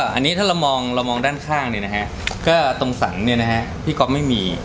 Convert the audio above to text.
อันนี้ถ้าเรามองด้านข้างตรงสันพี่ก๊อฟไม่มี